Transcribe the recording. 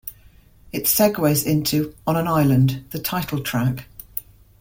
It segues into "On an Island", the title track.